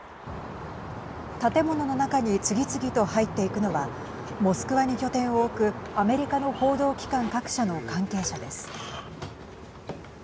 建物の中に次々と入っていくのはモスクワに拠点を置くアメリカの報道機関各社の関係者です。